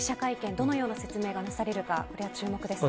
どのような説明がなされるのか注目ですね。